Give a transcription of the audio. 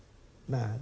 nah di tengah ini